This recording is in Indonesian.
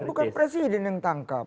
bukan presiden yang tangkap